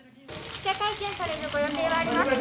記者会見されるご予定はありますか？